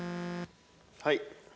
はい。